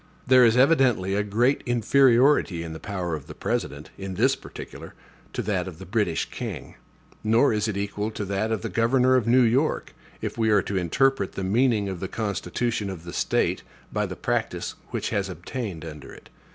There is evidently a great inferiority in the power of the President, in this particular, to that of the British king; nor is it equal to that of the governor of New York, if we are to interpret the meaning of the constitution of the State by the practice which has obtained under it.